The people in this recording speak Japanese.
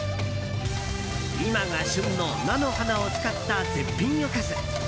今が旬の菜の花を使った絶品おかず。